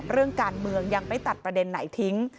เรื่องการเมืองยังไม่ตัดประเด็นไหนทิ้ง